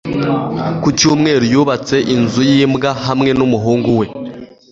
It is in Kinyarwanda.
Ku cyumweru, yubatse inzu y’imbwa hamwe n’umuhungu we.